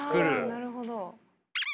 あなるほど。